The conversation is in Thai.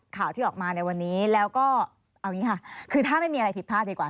ข่าวที่ออกมาในวันนี้แล้วก็เอาอย่างนี้ค่ะคือถ้าไม่มีอะไรผิดพลาดดีกว่า